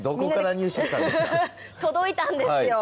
届いたんですよ。